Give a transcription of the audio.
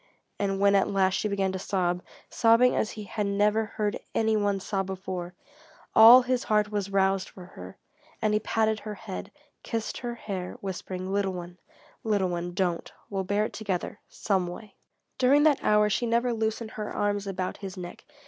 And when at last she began to sob sobbing as he had never heard any one sob before all his heart was roused for her, and he patted her head, kissed her hair, whispering: "Little one, little one, don't. We'll bear it together some way." During that hour she never loosened her arms about his neck.